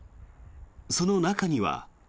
その中には。